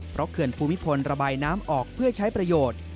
เพราะเขื่อนภูมิพลระบายน้ำออกเพื่อใช้ประโยชน์